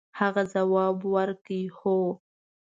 هغه ځواب ورکړ هو.